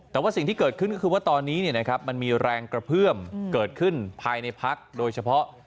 แต่ว่าสิ่งที่เกิดขึ้นก็คือว่าตอนนี้มันมีแรงกระเพื่อมเกิดขึ้นภายในพักโดยเฉพาะ